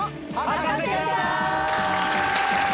『博士ちゃん』！